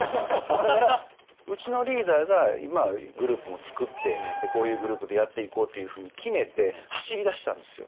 だからうちのリーダーが今グループも作ってこういうグループでやっていこうっていうふうに決めて走りだしたんですよ。